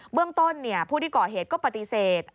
เรื่องต้นผู้ที่ก่อเหตุก็ปฏิเสธ